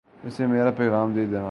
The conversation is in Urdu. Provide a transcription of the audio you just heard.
اسے میرا پیغام دے دینا